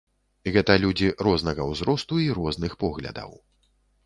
Гэта людзі рознага ўзросту і розных поглядаў.